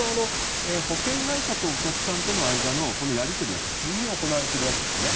保険会社とお客さんとの間のやり取りは普通に行われているわけですね。